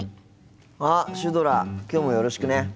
あっシュドラきょうもよろしくね。